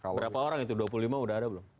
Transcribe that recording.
berapa orang itu dua puluh lima udah ada belum